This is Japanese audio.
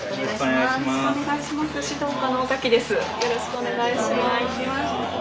よろしくお願いします。